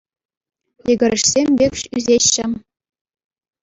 Йӗкӗрешсем пек ӳсеҫҫӗ.